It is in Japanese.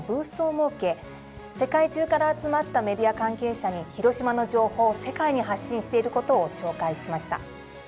世界中から集まったメディア関係者に広島の情報を世界に発信していることを紹介しました。